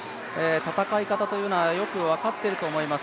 戦い方というのはよく分かってると思います。